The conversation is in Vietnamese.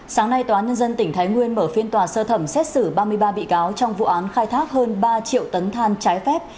sáng nay tòa nhân dân tỉnh thái nguyên mở phiên tòa sơ thẩm xét xử ba mươi ba bị cáo trong vụ án khai thác hơn ba triệu tấn than trái phép